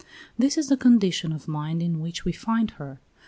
This is the condition of mind in which we find her.